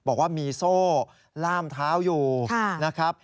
บอกว่ามีโซ่ล่ามเท้าอยู่นะครับ